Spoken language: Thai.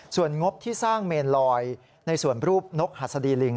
ส่วนงบที่สร้างเมนลอยในส่วนรูปนกหัสดีลิง